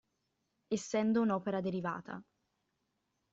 Essendo un'opera derivata.